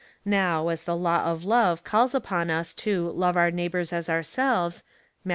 Now, as the law of love calls upon us to love our neighbours as ourselves, (Matth.